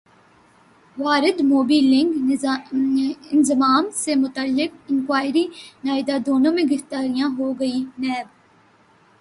واردموبی link انضمام سے متعلق انکوائری ئندہ دنوں میں گرفتاریاں ہوں گی نیب